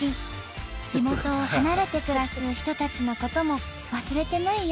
地元を離れて暮らす人たちのことも忘れてないよ。